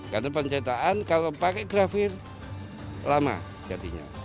karena penceritaan kalau pakai grafir lama jadinya